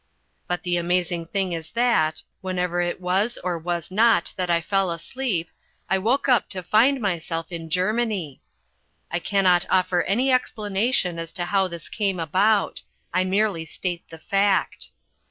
But the amazing thing is that, whenever it was or was not that I fell asleep, I woke up to find myself in Germany. I cannot offer any explanation as to how this came about. I merely state the fact.